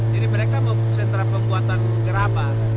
jadi mereka membuat sentra pembuatan gerabah